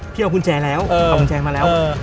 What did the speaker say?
เอากุญแจแล้วเอากุญแจมาแล้ว